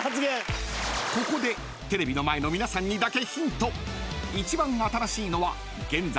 ［ここでテレビの前の皆さんにだけ］